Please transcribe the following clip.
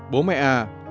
bố mẹ à